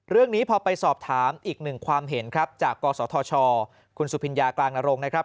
เรื่องนี้พอไปสอบถามอีกหนึ่งความเห็นครับจากกศธชคุณสุพิญญากลางนรงค์นะครับ